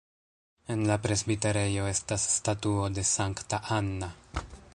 En la presbiterejo estas statuo de Sankta Anna.